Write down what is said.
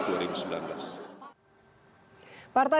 pertanyaan dari pak prabowo